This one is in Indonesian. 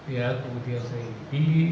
ya kemudian saya dipilih